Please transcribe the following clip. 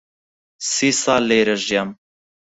سی ساڵ لێرە ژیام.